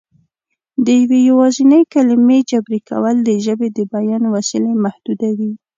د یوې یوازینۍ کلمې جبري کول د ژبې د بیان وسیلې محدودوي